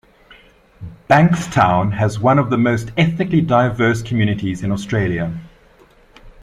Bankstown has one of the most ethnically diverse communities in Australia.